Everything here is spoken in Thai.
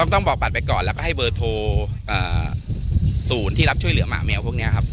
ต้องบอกบัตรไปก่อนแล้วก็ให้เบอร์โทรศูนย์ที่รับช่วยเหลือหมาแมวพวกนี้ครับ